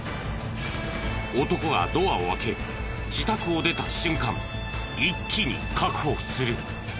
男がドアを開け自宅を出た瞬間一気に確保する。